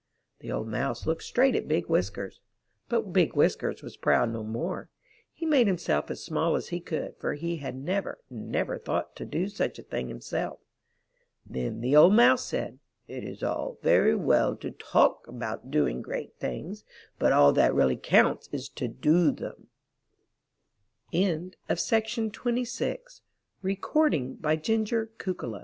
The old Mouse looked straight at Big Whiskers, but Big Whiskers was proud no more. He made himself as small as he could, for he had never, never thought to do such a thing himself. Then the old Mouse said: '*It is all very well to TALK about doing great things, but all that really counts is to DO them." IN THE NUR